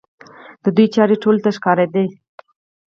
د دوی چارې ټولو ته ښکاره دي.